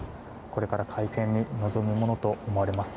これから会見に臨むものと思われます。